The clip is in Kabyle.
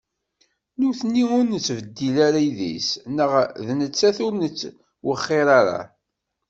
D nutni ur nettbeddil ara idis, neɣ d nettat ur nttwexxir ara?